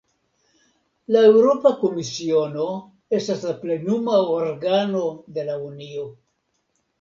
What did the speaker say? La Eŭropa Komisiono estas la plenuma organo de la Unio.